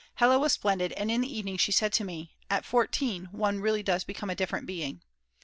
Hella was splendid, and in the evening she said to me: "At 14 one really does become a different being."